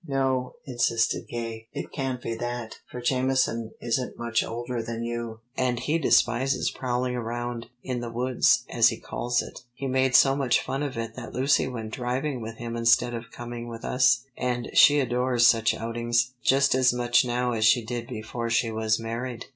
'" "No," insisted Gay. "It can't be that, for Jameson isn't much older than you, and he despises prowling around in the woods, as he calls it. He made so much fun of it that Lucy went driving with him instead of coming with us, and she adores such outings, just as much now as she did before she was married."